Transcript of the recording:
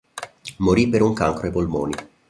Morì per un cancro ai polmoni.